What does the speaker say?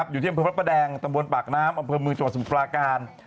อยู่ที่อำเภพพระแดงตำบลปากน้ำในอำเภพจับสมุขภาการ